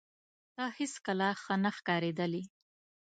ته هیڅکله ښه نه ښکارېدلې